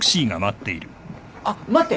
あっ待って！